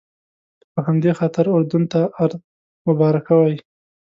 په همدې خاطر اردن ته ارض مبارکه وایي.